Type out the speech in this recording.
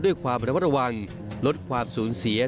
ด้วยความระมัดระวังลดความสูญเสีย